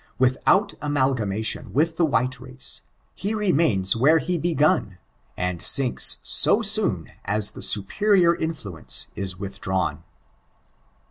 Without amalgamation with the white race, he remains where he begon, and sinks so soon as the superior faiflaenoe is witiidrawn.